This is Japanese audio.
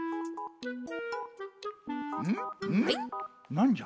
なんじゃ？